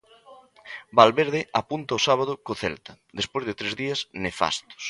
Valverde apunta ao sábado co Celta despois de tres días nefastos.